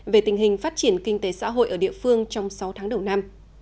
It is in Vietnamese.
về tình hình phát triển kinh tế xã hội ở địa phương trong sáu tháng đầu năm